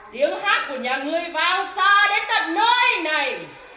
tiếng hát của nhà ngươi vang xa đến tận nơi này